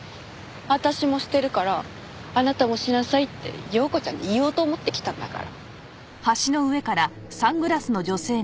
私もしてるからあなたもしなさいって庸子ちゃんに言おうと思って来たんだから。